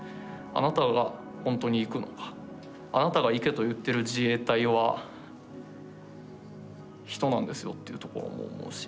あなたがほんとに行くのかあなたが行けと言ってる自衛隊は人なんですよというところも思うし。